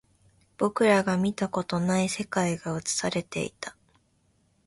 僕らが見たことがない世界が映されていた